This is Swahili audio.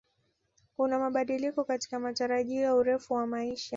Kuna mabadiliko katika matarajio ya urefu wa maisha